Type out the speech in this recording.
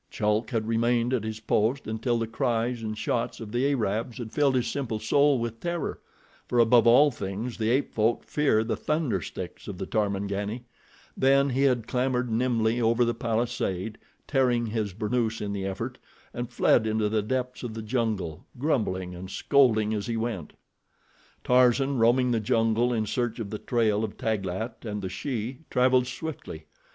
Chulk had remained at his post until the cries and shots of the Arabs had filled his simple soul with terror, for above all things the ape folk fear the thunder sticks of the Tarmangani; then he had clambered nimbly over the palisade, tearing his burnoose in the effort, and fled into the depths of the jungle, grumbling and scolding as he went. Tarzan, roaming the jungle in search of the trail of Taglat and the she, traveled swiftly.